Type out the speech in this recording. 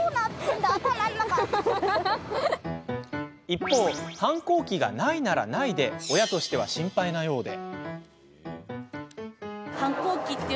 一方、反抗期がないならないで親としては心配なようで。